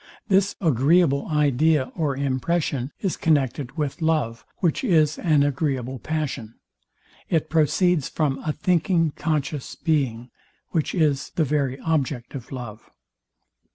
This agreeable idea or impression is connected with love, which is an agreeable passion. It proceeds from a thinking conscious being, which is the very object of love.